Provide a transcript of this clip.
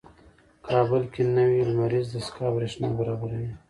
کابل کې نوې لمریزه دستګاه برېښنا برابروي.